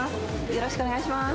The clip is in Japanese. よろしくお願いします。